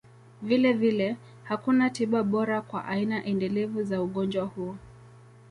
Vilevile, hakuna tiba bora kwa aina endelevu za ugonjwa huu.